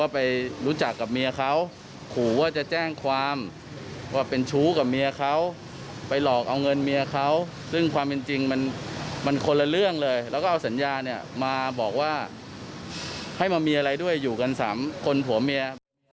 ไปรู้จักกับเมียเขาขู่ว่าจะแจ้งความว่าเป็นชู้กับเมียเขาไปหลอกเอาเงินเมียเขาซึ่งความเป็นจริงมันคนละเรื่องเลยแล้วก็เอาสัญญาเนี่ยมาบอกว่าให้มามีอะไรด้วยอยู่กัน๓คนผัวเมีย